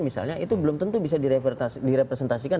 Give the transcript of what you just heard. misalnya itu belum tentu bisa direpresentasikan